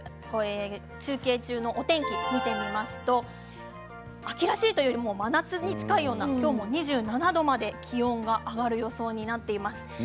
ただ今週中継中のお天気見てみますと秋らしいというよりも真夏に近い感じで今日も２７度まで気温が上がる予想になっています。